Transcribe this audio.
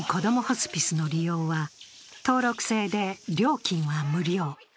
ホスピスの利用は、登録制で料金は無料。